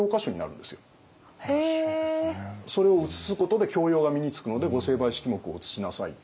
それを写すことで教養が身につくので御成敗式目を写しなさいって。